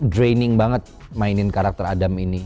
draining banget mainin karakter adam ini